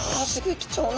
貴重な。